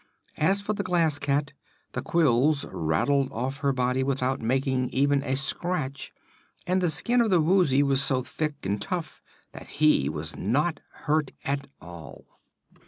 As for the Glass Cat, the quills rattled off her body without making even a scratch, and the skin of the Woozy was so thick and tough that he was not hurt at all.